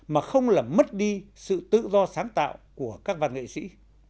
mà không làm mất đi sự tự do sáng tạo của các văn nghệ sĩ